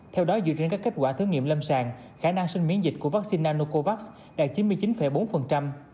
theo đó dựa trên các kết quả thử nghiệm lâm sàng khả năng sinh miễn dịch của vaccine nanocovax đạt chín mươi chín bốn